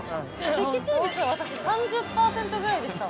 ◆的中率、私３０％ぐらいでした。